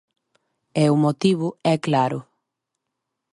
E o motivo é claro.